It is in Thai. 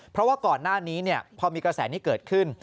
เพราะว่าก่อนหน้านี้พอมีกระแสนี้เกิดขึ้น